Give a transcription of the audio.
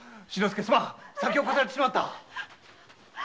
すまん先を越されてしまった！